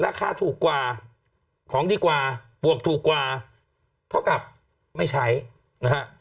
ราคาถูกกว่าของดีกว่าบวกถูกกว่าเท่ากับไม่ใช้นะฮะ